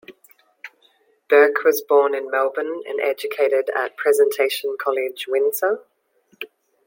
Burke was born in Melbourne and educated at Presentation College, Windsor.